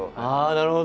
なるほど。